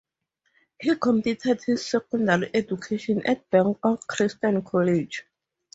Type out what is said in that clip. He completed his secondary education at Bangkok Christian College.